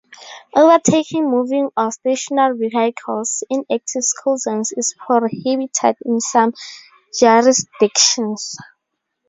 Overtaking moving or stationary vehicles in active school zones is prohibited in some jurisdictions.